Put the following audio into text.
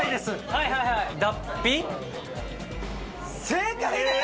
正解です！